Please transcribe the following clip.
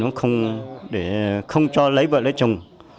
dòng họ mình không cho lấy vợ lấy chồng